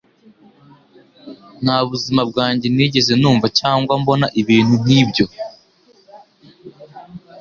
Nta buzima bwanjye nigeze numva cyangwa mbona ibintu nk'ibyo